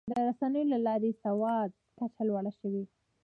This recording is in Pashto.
د رسنیو له لارې د سواد کچه لوړه شوې.